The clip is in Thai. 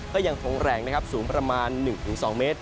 ก็ยังคงแรงนะครับสูงประมาณ๑๒เมตร